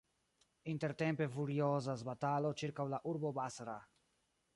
Intertempe furiozas batalo ĉirkaŭ la urbo Basra.